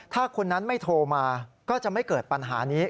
ถ้าคนนั้นไม่โทรมาก็จะไม่เกิดปัญหานี้